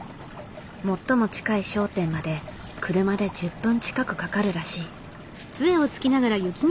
最も近い商店まで車で１０分近くかかるらしい。